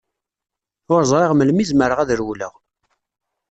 Ur ẓriɣ melmi zemreɣ ad rewleɣ.